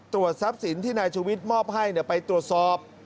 ทรัพย์สินที่นายชุวิตมอบให้ไปตรวจสอบ